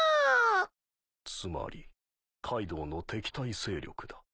つまりカイドウの敵対勢力だ。